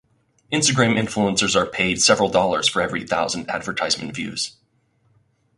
Instagram influencers are paid several dollars for every thousand advertisement views.